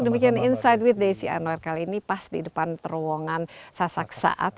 demikian insight with desi anwar kali ini pas di depan terowongan sasak saat